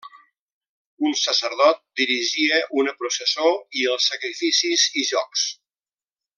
Un sacerdot dirigia una processó i els sacrificis i jocs.